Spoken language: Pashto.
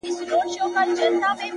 زما گراني مهرباني گلي ،